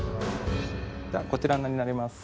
こちらになります。